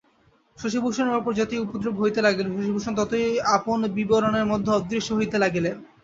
শশিভূষণের উপর যতই উপদ্রব হইতে লাগিল শশিভূষণ ততই আপন বিবরের মধ্যে অদৃশ্য হইতে লাগিলেন।